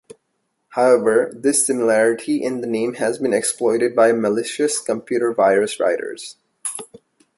However, this similarity in name has been exploited by malicious computer virus writers.